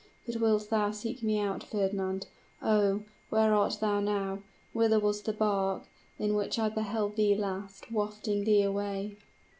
But wilt thou seek me out, Fernand? Oh! where art thou now? whither was the bark, in which I beheld thee last, wafting thee away?"